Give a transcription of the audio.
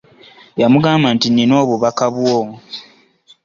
Yamugamba nti nina obubakabwo.